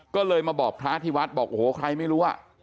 ก็เลยมาบอกพระที่วัดบอกโอ้โหใครไม่รู้อ่ะ